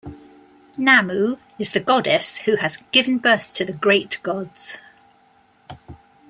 Nammu is the goddess who "has given birth to the great gods".